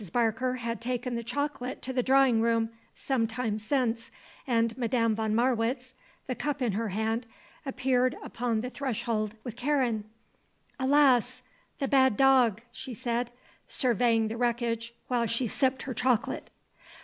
Barker had taken the chocolate to the drawing room some time since, and Madame von Marwitz, the cup in her hand, appeared upon the threshold with Karen. "Alas! The bad dog!" she said, surveying the wreckage while she sipped her chocolate.